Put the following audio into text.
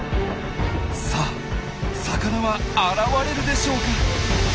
さあ魚は現れるでしょうか？